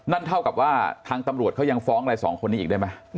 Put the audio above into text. นั่นเท่ากับว่าทางตำรวจเขายังฟ้องอะไรสองคนนี้อีกได้ไหม